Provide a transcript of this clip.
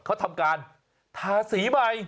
เขาทำการทาสีใหม่